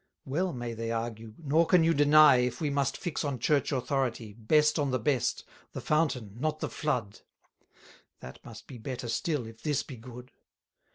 Well may they argue, nor can you deny, If we must fix on Church authority, Best on the best, the fountain, not the flood; That must be better still, if this be good.